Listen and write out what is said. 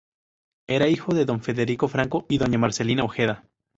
Era hijo de don Federico Franco y doña Marcelina Ojeda.